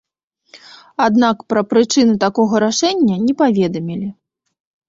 Аднак пра прычыны такога рашэння не паведамілі.